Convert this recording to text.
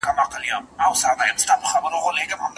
باید کړو سرمشق د کړنو په کتار کي د سیالانو